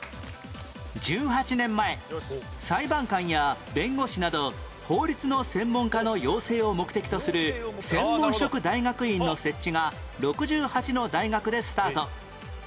１８年前裁判官や弁護士など法律の専門家の養成を目的とする専門職大学院の設置が６８の大学でスタート